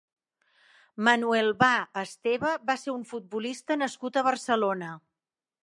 Manuel Va Esteve va ser un futbolista nascut a Barcelona.